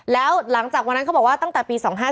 แล้วหลังจากวันนั้นเขาบอกว่าตั้งแต่ปี๒๕๕